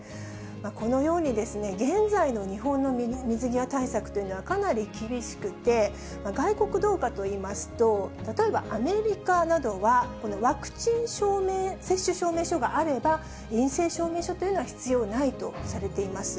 このように、現在の日本の水際対策というのは、かなり厳しくて、外国どうかといいますと、例えばアメリカなどは、このワクチン証明、接種証明書があれば、陰性証明書というのは必要ないとされています。